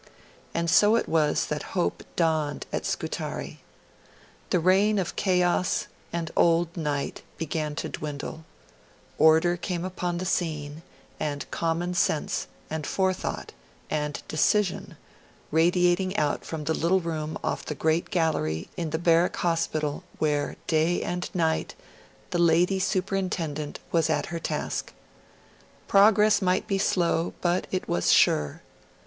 And so it was that hope dawned at Scutari. The reign of chaos and old night began to dwindle; order came upon the scene, and common sense, and forethought, and decision, radiating out from the little room off the great gallery in the Barrack Hospital where, day and night, the Lady Superintendent was at her task. Progress might be slow, but it was sure.